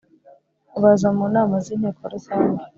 Baza mu nama z Inteko rusange